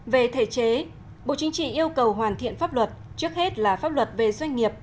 về thể chế bộ chính trị yêu cầu hoàn thiện pháp luật trước hết là pháp luật về doanh nghiệp